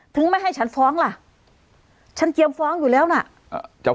ถึงไม่ให้ฉันฟ้องล่ะฉันเกี่ยวฟ้องอยู่แล้วน่ะอ่า